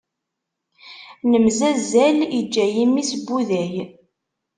Nemzazzal, iǧǧa-yi mmi-s n wuday.